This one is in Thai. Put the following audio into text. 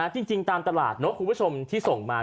จริงตามตลาดคุณผู้ชมที่ส่งมา